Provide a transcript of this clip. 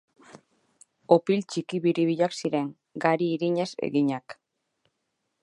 Opil txiki biribilak ziren, gari irinez eginak.